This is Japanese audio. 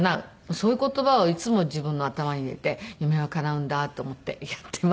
そういう言葉をいつも自分の頭に入れて夢はかなうんだと思ってやっていましたね。